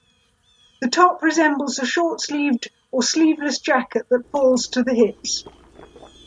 The top resembles a short-sleeved or sleeveless jacket that falls to the hips.